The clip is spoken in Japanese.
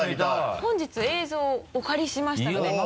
本日映像をお借りしましたので。